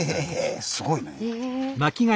すごいね。